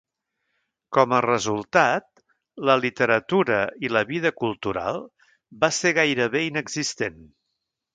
Com a resultat, la literatura i la vida cultural va ser gairebé inexistent.